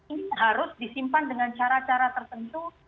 ini harus disimpan dengan cara cara tertentu